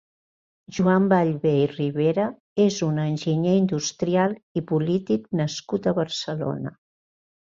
Joan Vallvé i Ribera és un enginyer industrial i polític nascut a Barcelona.